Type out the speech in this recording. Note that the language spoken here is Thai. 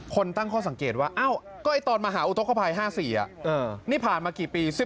ตั้งข้อสังเกตว่าตอนมหาอุทธกภัย๕๔นี่ผ่านมากี่ปี